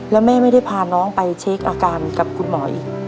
แล้วแม่ไม่ได้พาน้องไปเช็คอาการกับคุณหมออีก